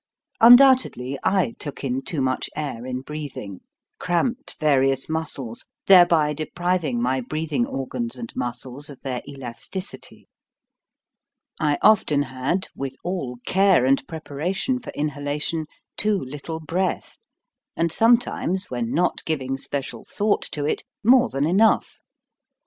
Undoubtedly I took in too much air in breath ing, cramped various muscles, thereby depriv ing my breathing organs and muscles of their elasticity. I often had, with all care and preparation for inhalation, too little breath, and sometimes, when not giving special thought to it, more than enough.